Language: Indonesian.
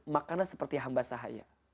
makanlah seperti hamba sahaya